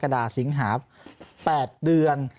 ๘เดือน